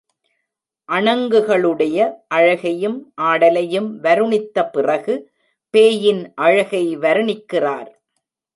அணங்குகளுடைய அழகையும் ஆடலையும் வருணித்தபிறகு பேயின் அழகை வருணிக்கிறார்.